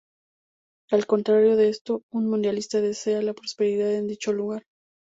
Al contrario de esto, un mundialista desea la prosperidad en dicho lugar.